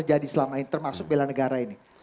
yang sudah diselamai termasuk belan negara ini